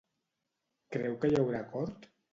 Creu que hi haurà acord?